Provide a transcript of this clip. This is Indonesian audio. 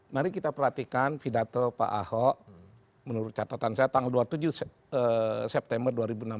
mari kita perhatikan pidato pak ahok menurut catatan saya tanggal dua puluh tujuh september dua ribu enam belas